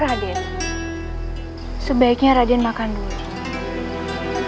raden sebaiknya rajin makan dulu